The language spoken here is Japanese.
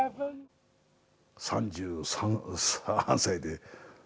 ３３歳で。